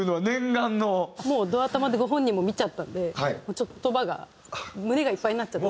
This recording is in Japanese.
もうど頭でご本人も見ちゃったんでちょっと言葉が胸がいっぱいになっちゃって。